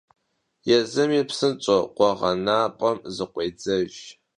Yêzımi psınş'eu khueğenap'em zıkhuêdzejj.